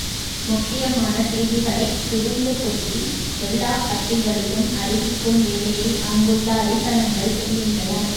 முக்கியமான செய்திகளைத் துடும்பு கொட்டி எல்லாப் பட்டிகளிலும் அறிவிக்கும் வேலையை அங்குள்ள அரிசனங்கள் செய்கின்றனர்.